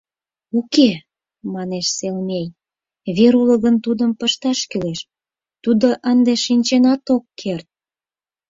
— Уке, — манеш Селмей, — вер уло гын, тудым пышташ кӱлеш, тудо ынде шинченат ок керт!